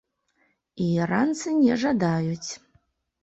І іранцы не жадаюць.